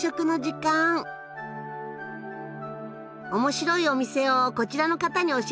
面白いお店をこちらの方に教えて頂きましょう。